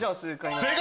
正解！